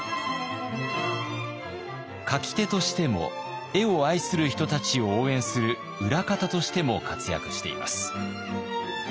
描き手としても絵を愛する人たちを応援する裏方としても活躍しています。